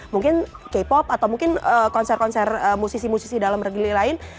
mungkin k pop atau mungkin konser konser musisi musisi dalam negeri lain